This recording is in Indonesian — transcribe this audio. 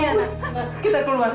iya kita keluar ibu